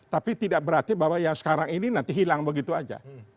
tapi tidak berarti bahwa yang sekarang ini nanti hilang begitu saja